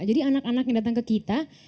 jadi anak anak yang datang ke kita